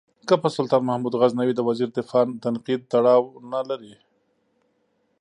که په سلطان محمود غزنوي د وزیر دفاع تنقید تړاو نه لري.